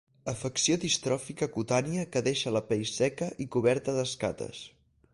Afecció distròfica cutània que deixa la pell seca i coberta d'escates.